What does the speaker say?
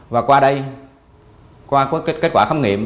và qua đây qua kết quả khám nghiệm